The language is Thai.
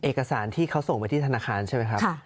เอกสารที่เขาส่งไปที่ธนาคารใช่ไหมครับ